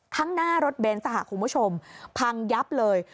ข้างหน้ารถเบนส์คุณผู้ชมพังยับเลย